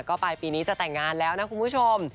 ก็ไปปีนี้จะแต่งงานแล้วนะคุณผู้ชม